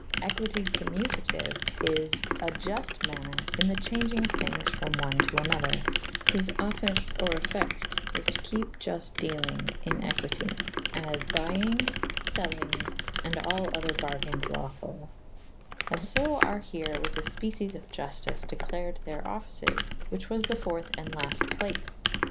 Equite cowanuta tvue is a iulte maner in the chaungyng of thynges from one to another whole offyce or effecte is to kepe iuite dealvnge in equite, as byenge / fellynge, and all other bargaines lauful /"^ And fo are here with the fpeces of Juftyce declared theyr offices/ which was the fourth &: last place.'